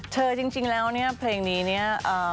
จริงแล้วเนี่ยเพลงนี้เนี่ย